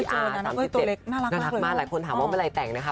ตัวเล็กน่ารักมากหลายคนถามว่าเมื่อไหรแต่งนะคะ